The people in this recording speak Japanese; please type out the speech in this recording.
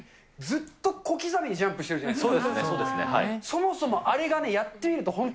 ずっと小刻みにジャンプしてるじゃないですか。